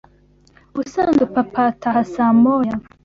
Ubusanzwe papa ataha saa moya.